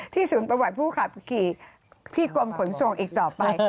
ศูนย์ประวัติผู้ขับขี่ที่กรมขนส่งอีกต่อไป